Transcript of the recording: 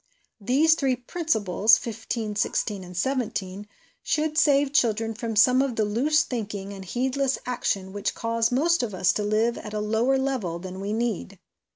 These three principles (15, 16 and 17) should save children from some of the loose thinking and heed less action which cause most of us to live at a lower level than we need.